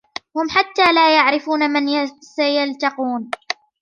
هُم حتىَ لا يعرفون من سيلتقون.